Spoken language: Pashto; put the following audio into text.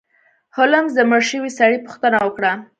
هولمز د مړ شوي سړي پوښتنه وکړه.